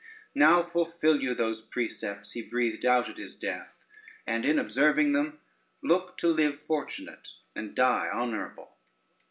Now fulfil you those precepts he breathed out at his death, and in observing them, look to live fortunate and die honorable."